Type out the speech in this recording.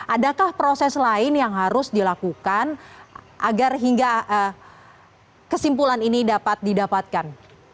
adakah proses lain yang harus dilakukan agar hingga kesimpulan ini dapat didapatkan